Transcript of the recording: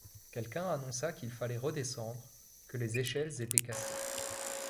Quelqu’un annonça qu’il fallait redescendre, que les échelles étaient cassées.